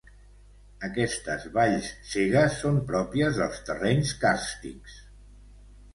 Aquestes valls cegues són pròpies dels terrenys càrstics.